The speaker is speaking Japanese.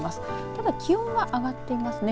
ただ気温は上がっていますね。